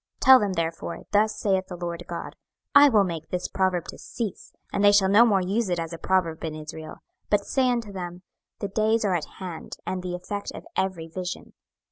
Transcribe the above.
26:012:023 Tell them therefore, Thus saith the Lord GOD; I will make this proverb to cease, and they shall no more use it as a proverb in Israel; but say unto them, The days are at hand, and the effect of every vision.